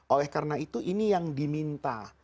oleh karena itu ini yang diminta